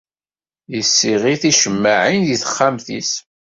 Yessiɣi ticemmaɛin deg texxamt-is.